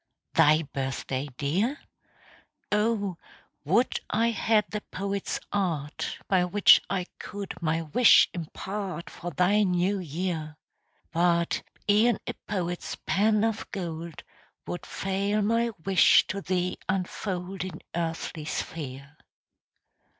Thy birthday, dear? Oh, would I had the poet's art By which I could my wish impart For thy new year; But e'en a poet's pen of gold Would fail my wish to thee unfold In earthly sphere.